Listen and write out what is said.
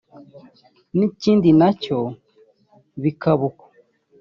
n’ikindi nacyo bikaba uko